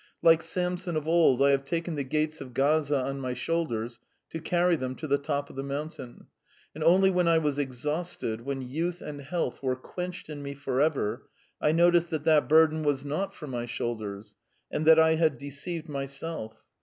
Like Samson of old, I have taken the gates of Gaza on my shoulders to carry them to the top of the mountain, and only when I was exhausted, when youth and health were quenched in me forever, I noticed that that burden was not for my shoulders, and that I had deceived myself.